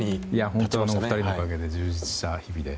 本当に２人のおかげで充実した日々で。